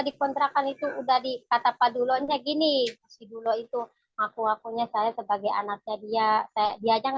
di kontrakan itu udah di kata padulonya gini dulu itu aku wakunya saya sebagai anaknya dia dia yang